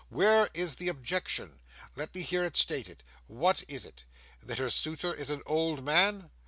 Where is the objection? Let me hear it stated. What is it? That her suitor is an old man?